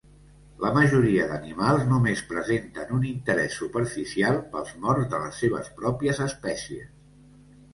La majoria d'animals només presenten un interès superficial pels morts de les seves pròpies espècies.